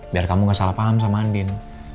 biar kamu nggak salah paham sama andien